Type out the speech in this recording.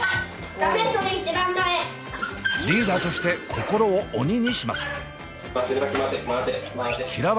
リーダーとして心を鬼にします！